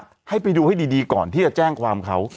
ก็ต้องไปตามดูดีก่อนที่จะแจ้งความเขา